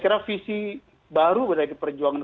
ini adalah visi baru dari perjuangan